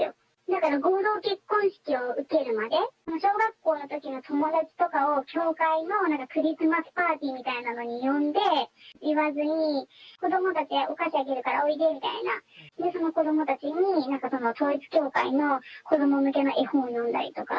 だから合同結婚式を受けるまで、もう小学校の友達とかを教会のクリスマスパーティーみたいなのに呼んで、言わずに、子どもたちにお菓子あげるからおいでみたいな、その子どもたちに何か統一教会の子ども向けの絵本を読んだりとか。